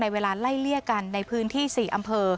เวลาไล่เลี่ยกันในพื้นที่๔อำเภอ